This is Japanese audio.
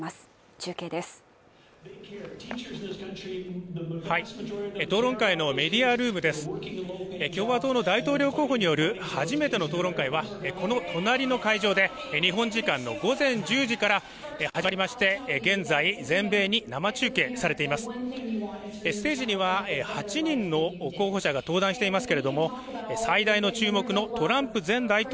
中継です討論会のメディアルームです共和党の大統領候補による初めての討論会はこの隣の会場で日本時間の午前１０時から始まりまして現在全米に生中継されていますステージには８人の候補者が登壇しています